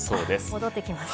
戻ってきます。